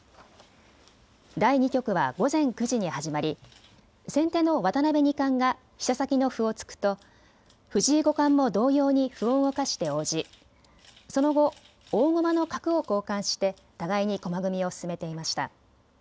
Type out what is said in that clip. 第２局は午前９時に始まり先手の渡辺二冠が飛車先の歩を突くと、藤井五冠も同様に歩を動かして応じ、その後大駒の角を交換して互いに駒組みを進めていました。